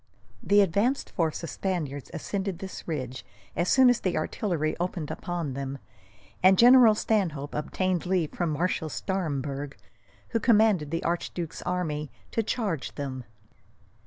The advanced force of Spaniards ascended this ridge, as soon as the artillery opened upon them, and General Stanhope obtained leave from Marshal Staremberg, who commanded the archduke's army, to charge them.